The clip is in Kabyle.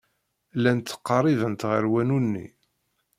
Llant ttqerribent ɣer wanu-nni.